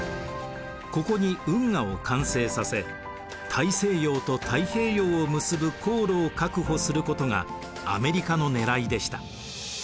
ここに運河を完成させ大西洋と太平洋を結ぶ航路を確保することがアメリカのねらいでした。